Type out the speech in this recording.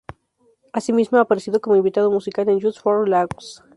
Así mismo ha aparecido como invitado musical en "Just for Laughs".